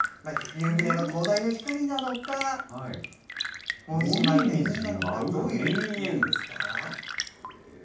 夕暮れの灯台の光なのか、紅葉舞う田園なのか、どういう気分ですか。